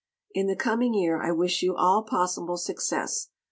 In the coming year I wish you all possible success.